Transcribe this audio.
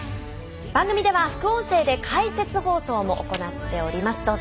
番組では副音声で解説放送も行っております。